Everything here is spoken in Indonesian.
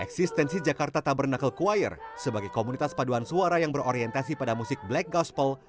eksistensi jakarta tabernuckle choir sebagai komunitas paduan suara yang berorientasi pada musik black gospel